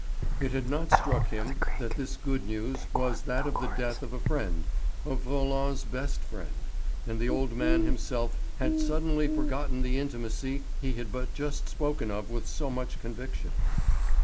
It had not struck him that this good news was that of the death of a friend, of Roland's best friend; and the old man himself had suddenly forgotten the intimacy he had but just spoken of with so much conviction.